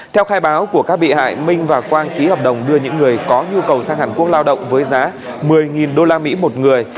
theo khai báo của các bị hại minh và quang ký hợp đồng đưa những người có nhu cầu sang hàn quốc lao động với giá một mươi usd một người